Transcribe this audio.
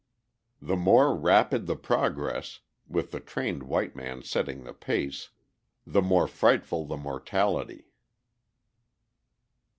The more rapid the progress (with the trained white man setting the pace), the more frightful the mortality.